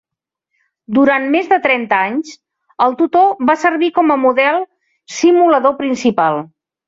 Durant més de trenta anys, el Tutor va servir com a model simulador principal.